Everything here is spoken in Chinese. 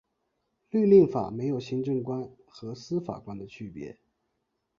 律令法没有行政官和司法官的区别。